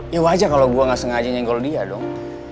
yauw aja kalau gak sengaja nyenggol dia dong